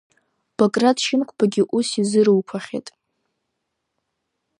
Баграт Шьынқәбагьы ус изыруқәахьеит.